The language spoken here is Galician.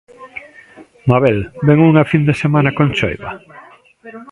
Mabel, vén unha fin de semana con choiva?